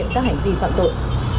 các hành vi phạm tội